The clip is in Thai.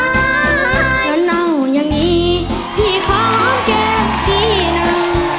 งั้นเอายังงี้พี่ขอเก็บพี่น้อง